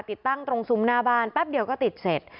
ติดตั้งตรงซุ้มหน้าบ้านแป๊บเดียวก็ติดเสร็จ